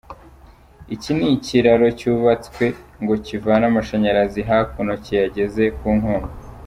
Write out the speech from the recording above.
Iki ni ikiraro cyubatswe ngo kivane amashanyarazi hakuno kiyageze ku Nkombo.